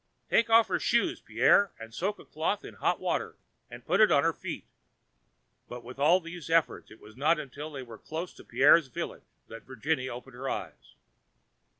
"Take off her shoes, Pierre, and soak a cloth with the hot water and put it to her feet." But with all these efforts it was not until they were close to Pierre's village that Virginie opened her eyes.